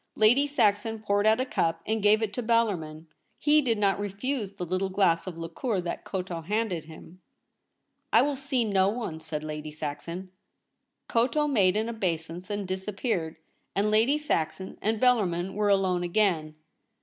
Lady Saxon poured out a cup and gave it to Bellarmin. He did not refuse the little glass of liqueur that Koto handed him. ' I will see no one,' said Lady Saxon. Koto made an obeisance and disappeared, and Lady Saxon and Bellarmin were alone again.